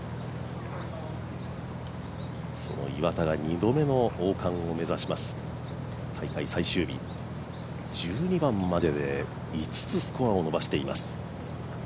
その岩田が二度目の王冠を目指します大会最終日、１２番までで５つスコアを伸ばしています。